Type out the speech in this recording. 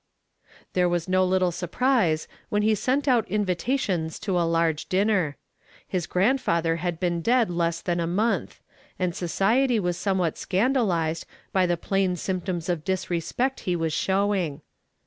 There was no little surprise when he sent out invitations for a large dinner. His grandfather had been dead less than a month, and society was somewhat scandalized by the plain symptoms of disrespect he was showing.